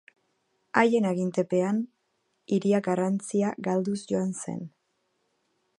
Haien agintepean, hiria garrantzia galduz joan zen.